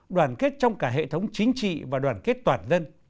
đoàn kết trong cả hệ thống chính trị và đoàn kết toàn dân